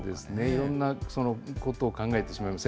いろんなことを考えてしまいます。